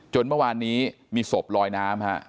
เมื่อวานนี้มีศพลอยน้ำฮะ